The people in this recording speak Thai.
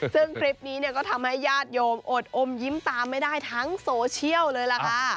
ซึ่งคลิปนี้เนี่ยก็ทำให้ญาติโยมอดอมยิ้มตามไม่ได้ทั้งโซเชียลเลยล่ะค่ะ